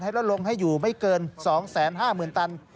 ให้ลดลงให้อยู่ไม่เกิน๒แสนห้าหมื่นตัน